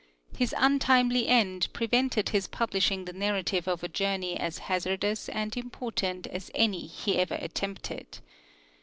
His untimely end prevented his publishing the narrative of a journeyas hazardous and important as any he ever attempted.